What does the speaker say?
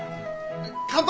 乾杯！